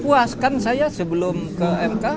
puaskan saya sebelum ke mk